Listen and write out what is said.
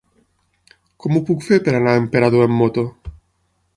Com ho puc fer per anar a Emperador amb moto?